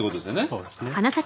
そうですね。